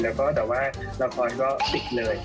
แล้วก็แต่ว่าแรกรคอนด์ก็ปิดเลย